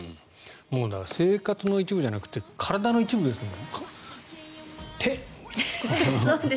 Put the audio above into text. だから生活の一部じゃなくて体の一部ですもん。